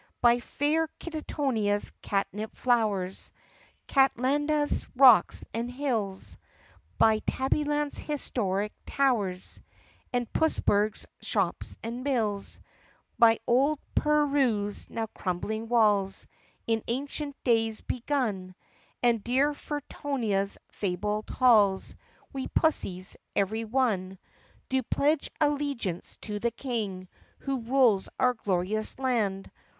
iv By fair Kittonia's catnip flowers, Catlanta's rocks and hills, By Tabbyland's historic towers And Pussburgh's shops and mills, By old Purru's now crumbling walls, In ancient days begun, And dear Furronia's fabled halls, We pussies, every one, Do pledge allegiance to the King Who rules our glorious land